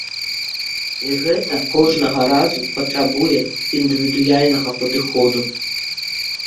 І гэта кожнага разу патрабуе індывідуальнага падыходу.